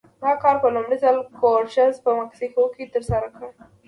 دا کار په لومړي ځل کورټز په مکسیکو کې ترسره کړی و.